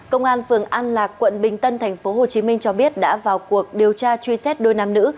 công an phường an lạc quận bình tân tp hcm cho biết đã vào cuộc điều tra truy xét đôi nam nữ